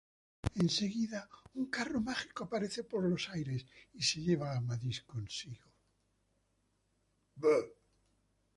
Enseguida, un carro mágico aparece por los aires y se lleva a Amadís consigo.